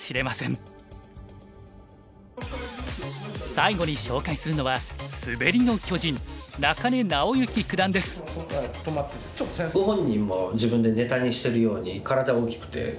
最後に紹介するのはご本人も自分でネタにしてるように体大きくて。